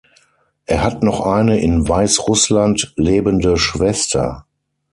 Er hat noch eine in Weißrussland lebende Schwester.